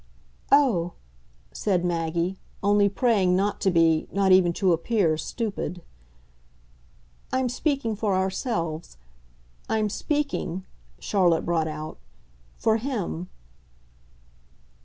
"Oh!" said Maggie, only praying not to be, not even to appear, stupid. "I'm speaking for ourselves. I'm speaking," Charlotte brought out, "for HIM."